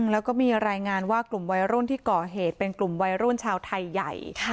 แล้วก็มีรายงานว่ากลุ่มวัยรุ่นที่ก่อเหตุเป็นกลุ่มวัยรุ่นชาวไทยใหญ่